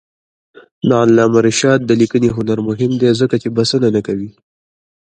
د علامه رشاد لیکنی هنر مهم دی ځکه چې بسنه نه کوي.